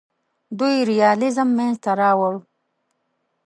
دوی ریالیزم منځ ته راوړ.